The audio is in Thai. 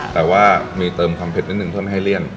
แต่ว่ามีเติมความเผ็ดนิดนึงเพื่อไม่ให้เลี่ยน